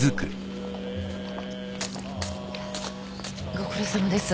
ご苦労さまです。